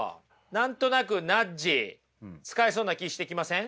何となくナッジ使えそうな気してきません？